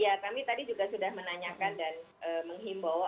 ya kami tadi juga sudah menanyakan dan menghimbau